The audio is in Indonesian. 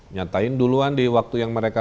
nyatain duluan di waktu yang mereka